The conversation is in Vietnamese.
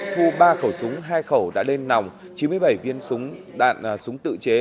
thu ba khẩu súng hai khẩu đã lên nòng chín mươi bảy viên súng đạn súng tự chế